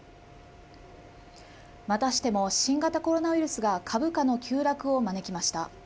またしても新型コロナウイルスが株価の急落を招きました。